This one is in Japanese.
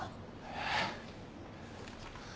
えっ。